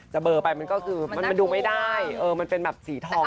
จะเบลอไปมันก็คือมันดูไม่ได้เออมันเป็นแบบสีทองจีน